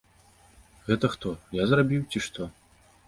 Гэта хто, я зрабіў, ці што?